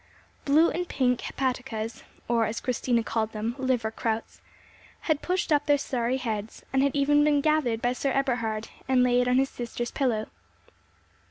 Blue and pink hepaticas—or, as Christina called them, liver krauts—had pushed up their starry heads, and had even been gathered by Sir Eberhard, and laid on his sister's pillow.